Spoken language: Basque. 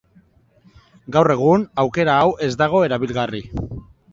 Gaur egun, aukera hau ez dago erabilgarri.